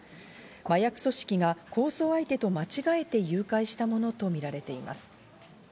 麻薬組織が抗争相手と間違えて誘拐したものとみられています。